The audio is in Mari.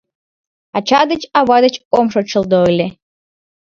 Ача деч, ава деч ом шочылдо ыле.